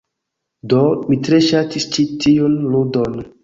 Do. Mi tre ŝatis ĉi tiun ludon.